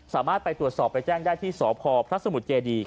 สามารถไปตรวจสอบไปแจ้งได้ที่สพพระสมุทรเจดี